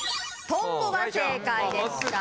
トンボが正解でした。